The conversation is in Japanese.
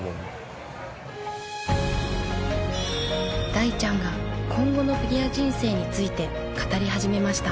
大ちゃんが今後のフィギュア人生について語り始めました。